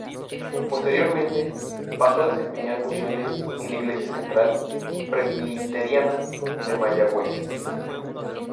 Posteriormente, pasó a desempeñar funciones en la Iglesia Central Presbiteriana de Mayagüez.